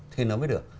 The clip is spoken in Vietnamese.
thì nó mới được